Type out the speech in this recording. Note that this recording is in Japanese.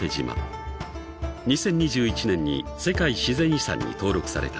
［２０２１年に世界自然遺産に登録された］